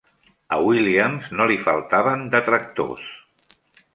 A Williams no li faltaven detractors.